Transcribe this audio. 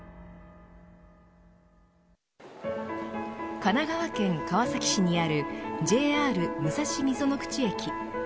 神奈川県川崎市にあるＪＲ武蔵溝ノ口駅。